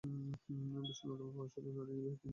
বিশ্বের অন্যতম প্রভাবশালী নারী নির্বাহী তিনি।